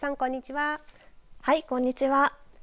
はい、こんにちは。